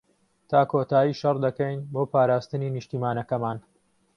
تا کۆتایی شەڕ دەکەین بۆ پاراستنی نیشتمانەکەمان.